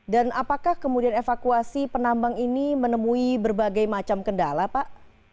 apakah kemudian evakuasi penambang ini menemui berbagai macam kendala pak